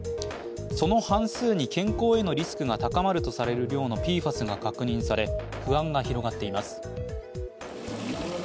その半数に健康へのリスクが高まるとされる量のＰＦＡＳが確認され不安が広がっています。